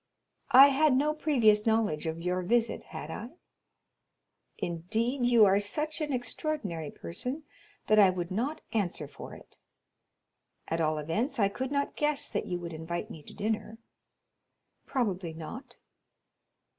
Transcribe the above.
"I had no previous knowledge of your visit, had I?" "Indeed, you are such an extraordinary person, that I would not answer for it." "At all events, I could not guess that you would invite me to dinner." "Probably not."